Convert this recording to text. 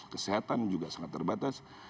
kesehatan juga sangat terbatas